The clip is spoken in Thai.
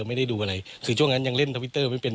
ไม่ได้ดูอะไรคือช่วงนั้นยังเล่นทวิตเตอร์ไม่เป็น